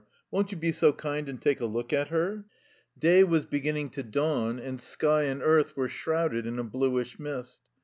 Won't you be so kind and take a look at her?" Day was beginning to dawn, and sky and earth were shrouded in a bluish mist.